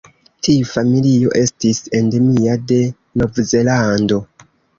Tiu familio estis endemia de Novzelando.